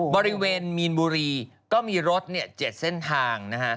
บริเวณมีนบุรีก็มีรถ๗เส้นทางนะฮะ